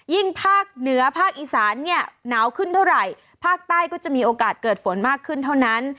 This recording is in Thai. ภาคเหนือภาคอีสานเนี่ยหนาวขึ้นเท่าไหร่ภาคใต้ก็จะมีโอกาสเกิดฝนมากขึ้นเท่านั้น